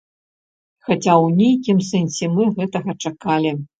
Хаця ў нейкім сэнсе мы гэтага чакалі.